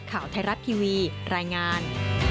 ข่าวไทยรัฐทีวีรายงาน